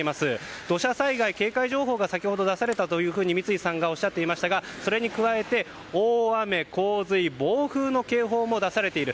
土砂災害警戒情報が先ほど出されたと三井さんがおっしゃっていましたが大雨・洪水・暴風の警報も出されている。